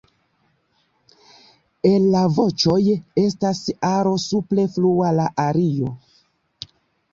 El la voĉoj estas aro supre flua la ario.